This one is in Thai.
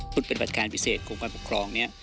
ปฏิบัติการพิเศษกรมการปกครองเนี่ย